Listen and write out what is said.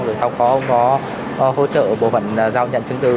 rồi sau cũng có hỗ trợ bộ phận giao nhận chứng tư